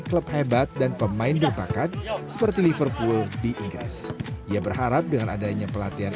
klub hebat dan pemain berbakat seperti liverpool di inggris ia berharap dengan adanya pelatihan